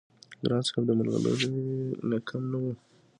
ګران صاحب د ملغلرې نه کم نه وو-